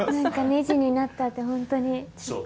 なんか、ネジになったって、本当に。